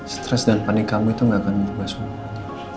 stress dan panik kamu itu gak akan membuat semuanya